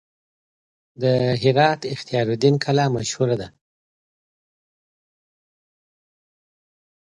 د هرات اختیار الدین کلا مشهوره ده